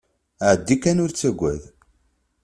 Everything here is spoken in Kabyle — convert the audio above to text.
Ԑeddi kan ur ttagad.